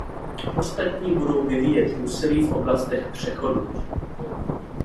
Ostatní budou vyvíjet úsilí v oblastech přechodu.